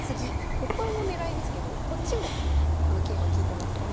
ここも狙いですけどこっちもこの桂馬利いてますよね。